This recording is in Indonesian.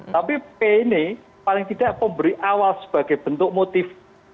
tapi p ini paling tidak pemberi awal sebagai bentuk motif